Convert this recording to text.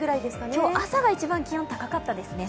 今日、朝が一番気温が高かったですね。